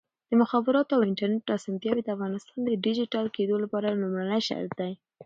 د مخابراتو او انټرنیټ اسانتیاوې د افغانستان د ډیجیټل کېدو لپاره لومړنی شرط دی.